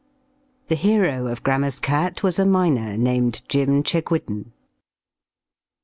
The hero of "Grammer's Cat" was a miner named Jim Chegwidden.